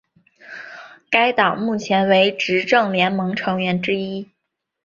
该党目前为执政联盟成员之一。